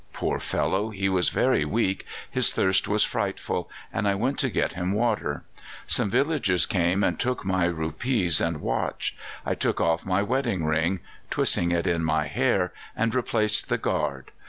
Poor fellow! he was very weak; his thirst was frightful, and I went to get him water. Some villagers came and took my rupees and watch. I took off my wedding ring, twisted it in my hair and replaced the guard.